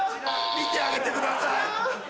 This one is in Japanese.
見てあげてください。